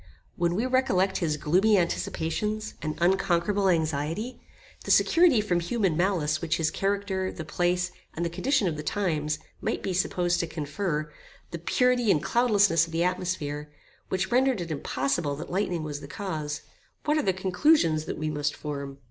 When we recollect his gloomy anticipations and unconquerable anxiety; the security from human malice which his character, the place, and the condition of the times, might be supposed to confer; the purity and cloudlessness of the atmosphere, which rendered it impossible that lightning was the cause; what are the conclusions that we must form?